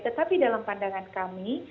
tetapi dalam pandangan kami